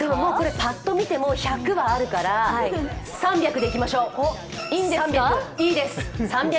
パッと見ても１００はあるから３００でいきましょう。